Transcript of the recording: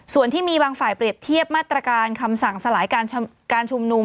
ส่วนที่มีบางฝ่ายเปรียบเทียบมาตรการคำสั่งสลายการชุมนุม